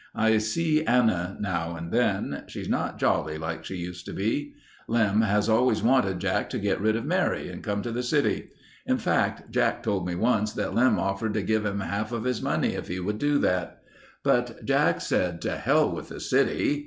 I see Anna now and then. She's not jolly like she used to be. Lem has always wanted Jack to get rid of Mary and come to the city. In fact, Jack told me once that Lem offered to give him half of his money if he would do that. But Jack said, to hell with the city.